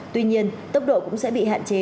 tuy nhiên tốc độ cũng sẽ bị hạn chế